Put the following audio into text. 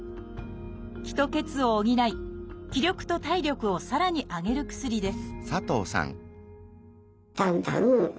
「気」と「血」を補い気力と体力をさらに上げる薬です